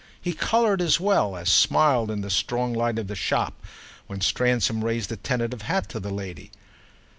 He coloured as well as smiled in the strong light of the shop when Stransom raised a tentative hat to the lady.